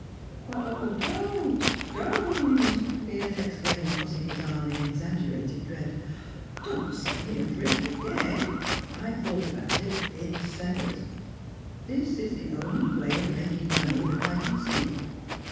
"Don't, don't!" Piers exclaimed, tossing his arm in exaggerated dread. "Don't set me adrift again. I've thought about it; it's settled. This is the only way of making money, that I can see."